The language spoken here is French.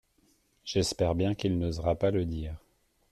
J’espère bien qu’il n’osera pas le dire.